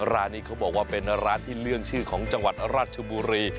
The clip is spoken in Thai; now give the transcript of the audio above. ร้านนี้เขาบอกว่าเป็นร้านที่เรื่องชื่อของจังหวัดราชบุรี